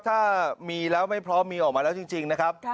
ถ้ามีแล้วไม่พร้อมมีออกมาแล้วจริงนะครับ